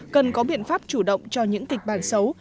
cần có biện pháp chủ động cho những kịch bản xấu